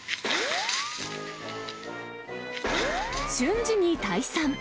瞬時に退散。